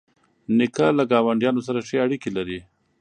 نیکه له ګاونډیانو سره ښې اړیکې لري.